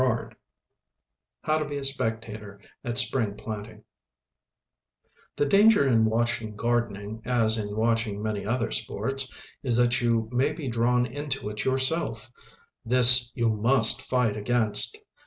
VIII HOW TO BE A SPECTATOR AT SPRING PLANTING The danger in watching gardening, as in watching many other sports, is that you may be drawn into it yourself. This you must fight against.